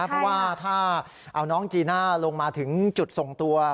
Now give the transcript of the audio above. เพราะว่าถ้าเอาน้องจีน่าลงมาถึงจุดส่งตัว